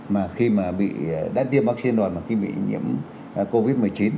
mà khi mà bị đét tiêm vaccine rồi mà khi bị nhiễm covid một mươi chín